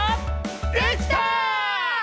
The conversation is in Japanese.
できた！